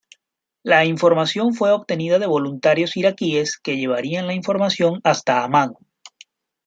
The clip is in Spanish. La información fue obtenida de voluntarios iraquíes que llevarían la información hasta Amán.